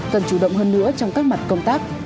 cần chủ động hơn nữa trong các mặt công tác